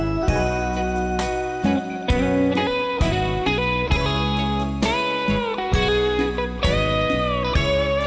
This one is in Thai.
โอ้ความรักนี่ดีนะเนี่ย